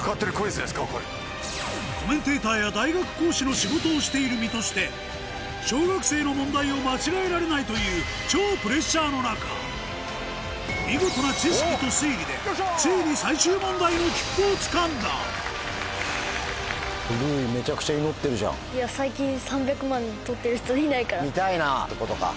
コメンテーターや大学講師の仕事をしている身として小学生の問題を間違えられないという見事な知識と推理でついに最終問題の切符をつかんだ見たいなってことか。